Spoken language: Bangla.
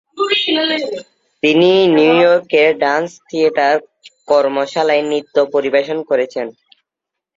তিনি নিউইয়র্কের ডান্স থিয়েটার কর্মশালায় নৃত্য পরিবেশন করেছেন।